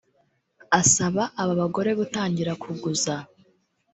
asaba aba bagore gutangira kuguza